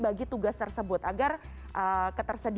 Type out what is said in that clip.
nah ini harus naik